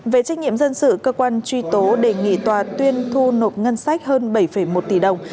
về trách nhiệm dân sự cơ quan truy tố đề nghị tòa tuyên thu nộp ngân sách hơn bảy một tỷ đồng